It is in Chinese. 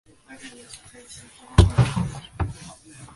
联邦司法及消费者保护部是德国的联邦部会之一。